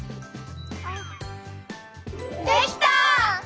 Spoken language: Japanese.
できた！